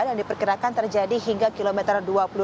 dan diperkirakan terjadi hingga kilometer dua puluh lima